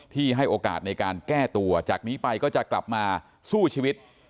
ให้โอกาสในการแก้ตัวจากนี้ไปก็จะกลับมาสู้ชีวิต